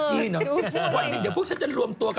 เขาจะสู่ธิษฐานเฉะเรา